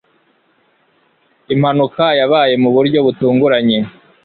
Impanuka yabaye mu buryo butunguranye.